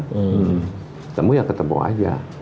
ketemu ya ketemu aja